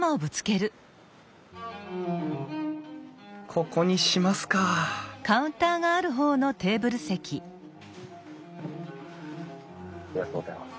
ここにしますかありがとうございます。